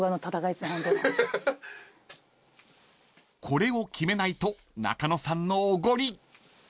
［これを決めないと中野さんのおごり］